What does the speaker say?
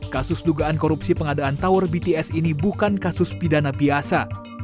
kasus dugaan korupsi pengadaan tower bts ini bukan kasus pidana biasa